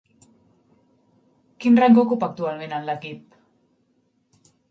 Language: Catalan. Quin rang ocupa actualment en l'equip?